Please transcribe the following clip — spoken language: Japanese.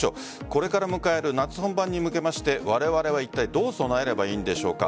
これから迎える夏本番に向けましてわれわれはいったいどう備えればいいんでしょうか。